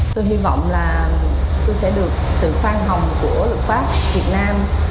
tôi hy vọng là tôi sẽ được sự khoan hồng của luật pháp việt nam